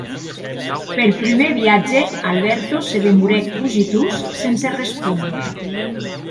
Per prumèr viatge Alberto se demorèc cogitós, sense respóner.